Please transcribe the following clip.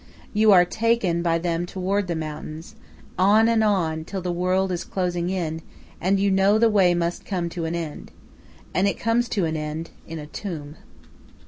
You are taken by them toward the mountains, on and on, till the world is closing in, and you know the way must come to an end. And it comes to an end in a tomb.